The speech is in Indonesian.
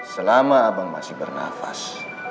selama abang masih bernafas